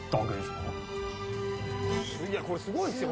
「いやこれすごいですよ